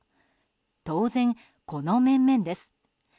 当然、この面々です。